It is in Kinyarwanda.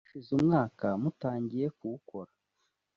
ubu hashize umwaka mutangiye kuwukora